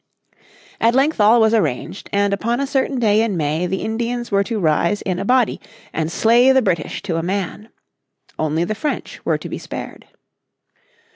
At length all was arranged and upon a certain day in May the Indians were to rise in a body, and slay the British to a man. Only the French were to be spared.